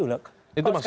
itu maksudnya apa ya